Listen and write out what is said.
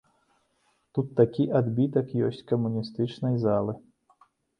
Тут такі адбітак ёсць камуністычнай залы.